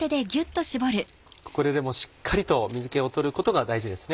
ここでしっかりと水気を取ることが大事ですね。